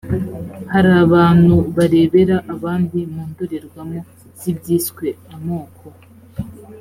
hari abantu barebera abandi mu ndorerwamo z’ibyiswe amoko